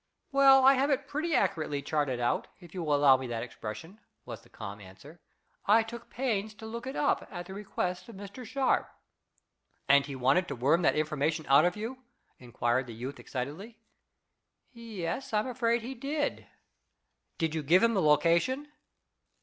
"Well, I have it pretty accurately charted out, if you will allow me that expression," was the calm answer. "I took pains to look it up at the request of Mr. Sharp." "And he wanted to worm that information out of you?" inquired the youth excitedly. "Yes, I'm afraid he did." "Did you give him the location?"